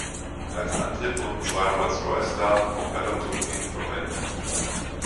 Als Antrieb wurden zwei Rolls-Royce-Dart-Propellerturbinen verwendet.